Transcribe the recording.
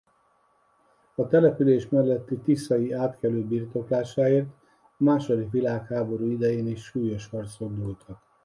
A település melletti tiszai átkelő birtoklásáért a második világháború idején is súlyos harcok dúltak.